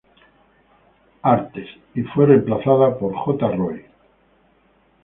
Arts" y fue reemplazada por "J. Roy.